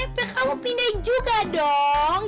pek kamu pindahin juga dong